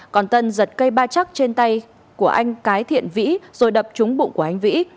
còn tân giật cây ba chắc trên tay của anh cái thiện vĩ rồi đập trúng bụng của anh vĩ